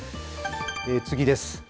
次です。